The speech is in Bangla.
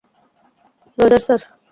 Roger, sir!